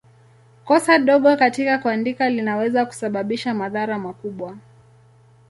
Kosa dogo katika kuandika linaweza kusababisha madhara makubwa.